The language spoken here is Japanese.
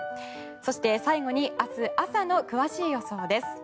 そして、最後に明日朝の詳しい予想です。